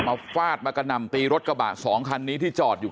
ฟาดมากระหน่ำตีรถกระบะสองคันนี้ที่จอดอยู่